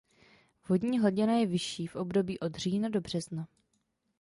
Vodní hladina je vyšší v období od října do března.